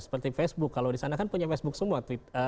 seperti facebook kalau di sana kan punya facebook semua tweet